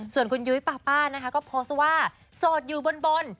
ส่วนคุณยุ้ยปาป้านะคะก็โพสต์ว่าโสดอยู่บน